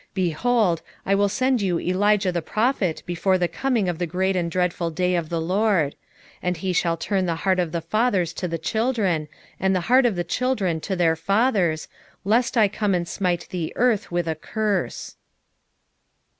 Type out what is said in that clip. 4:5 Behold, I will send you Elijah the prophet before the coming of the great and dreadful day of the LORD: 4:6 And he shall turn the heart of the fathers to the children, and the heart of the children to their fathers, lest I come and smite the earth with a curse.